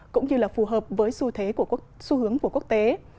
cũng như là phù hợp với xu thế của xu hướng của quốc tế